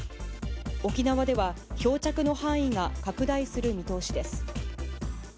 沖縄では漂着の範囲が拡大する見通しです。